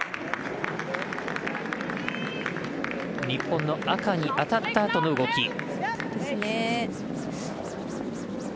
日本の赤に当たったあとの動き。